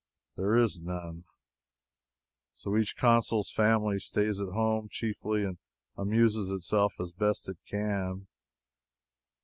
There is none. So each consul's family stays at home chiefly and amuses itself as best it can.